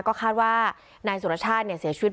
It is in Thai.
ก็คาดว่านายสุรชาติเสียชีวิต